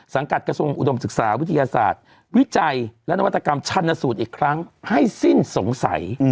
กระทรวงอุดมศึกษาวิทยาศาสตร์วิจัยและนวัตกรรมชันสูตรอีกครั้งให้สิ้นสงสัย